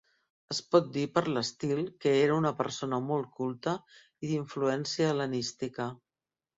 Es pot dir per l'estil que era una persona molt culta i d'influència hel·lenística.